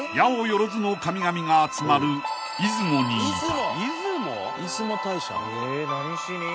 よろずの神々が集まる出雲にいた］